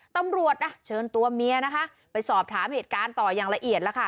ตำรวจนะเชิญตัวเมียนะคะไปสอบถามเหตุการณ์ต่ออย่างละเอียดแล้วค่ะ